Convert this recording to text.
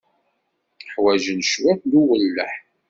Ḥwajen cwiṭ n uwelleh.